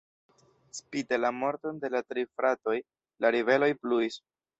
Spite la morton de la tri fratoj, la ribeloj pluis.